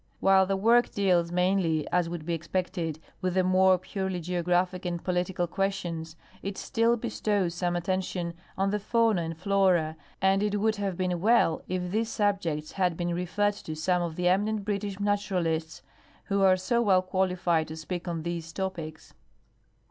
While the work^deals mainly, as wouhl be expected, with the more purely geograi)hic and 42 GEOGRAPHIC LIT ERA TURE political questions, it still bestows some attention on the fauna and flora, and it would have been well if these subjects had been referred to some of the eminent British naturalists who are so well qualified to speak on these topics.